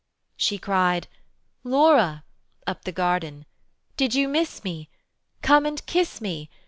She cried "Laura," up the garden, "Did you miss me? Come and kiss me.